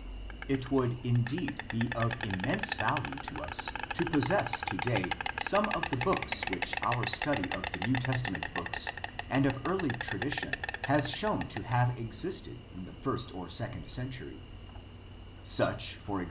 It would indeed be of immense value to us to possess today some of the books which our study of the New Testament books and of early tradition has shown to have existed in the first or second century, such, e.g.